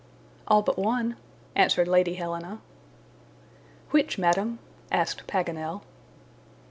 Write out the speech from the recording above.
"All but one," answered Lady Helena. "Which, Madam?" asked Paganel.